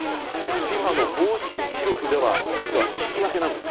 ＦＩＦＡの公式記録では実は引き分けなんです。